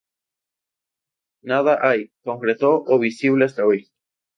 Nada hay, concreto o visible, hasta hoy.